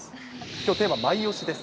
きょうのテーマはマイ推しです。